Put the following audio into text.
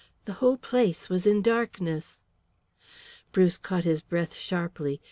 The whole place was in darkness! Bruce caught his breath sharply.